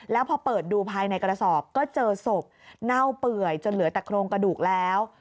แล้วพอเปิดดูภายในกระสอบก็เจอศพเน่าเปื่อยจนเหลือแต่โครงกระดูกแล้ว